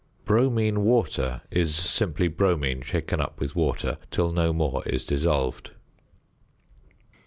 ~"Bromine Water"~ is simply bromine shaken up with water till no more is dissolved.